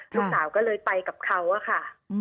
ลูกสาวก็เลยไปกับเขาอะค่ะ